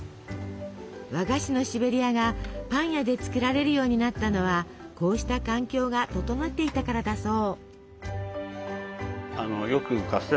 和菓子のシベリアがパン屋で作られるようになったのはこうした環境が整っていたからだそう。